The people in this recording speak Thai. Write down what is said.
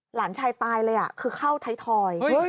หลานชายตายเลยคือเข้าไทยทอย